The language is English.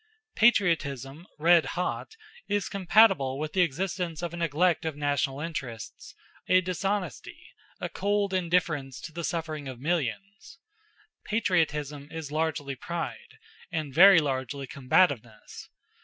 Patriotism, red hot, is compatible with the existence of a neglect of national interests, a dishonesty, a cold indifference to the suffering of millions. Patriotism is largely pride, and very largely combativeness.